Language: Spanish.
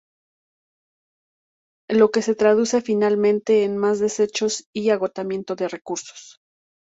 Lo que se traduce finalmente en más desechos y agotamiento de recursos.